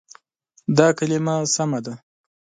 دا کلمه سمه ده.